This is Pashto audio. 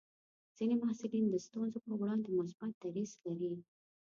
ځینې محصلین د ستونزو پر وړاندې مثبت دریځ لري.